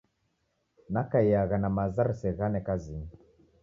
Nakaiagha na maza riseghane kazinyi.